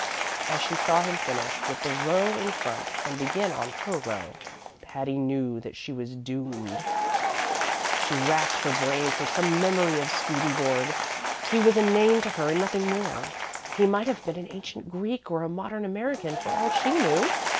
As she saw him finish with the row in front and begin on her row, Patty knew that she was doomed. She racked her brain for some memory of Swedenborg. He was a name to her and nothing more. He might have been an ancient Greek or a modern American, for all she knew.